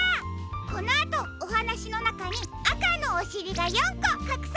このあとおはなしのなかにあかのおしりが４こかくされているよ。